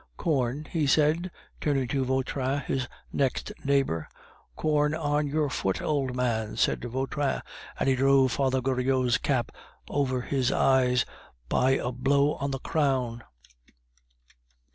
"Corn?..." he said, turning to Vautrin, his next neighbor. "Corn on your foot, old man!" said Vautrin, and he drove Father Goriot's cap down over his eyes by a blow on the crown.